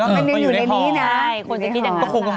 มันอยู่ในนี้นะคนที่นี่ดังนั้น